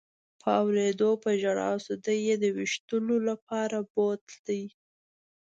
په اورېدو په ژړا شو، دی یې د وېشتلو لپاره بوت.